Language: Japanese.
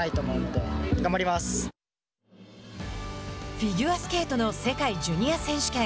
フィギュアスケートの世界ジュニア選手権。